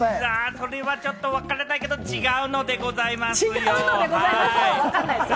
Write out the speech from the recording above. それはちょっと分からないんですけれども、違うんでございます。